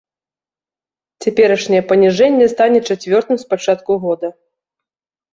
Цяперашняе паніжэнне стане чацвёртым з пачатку года.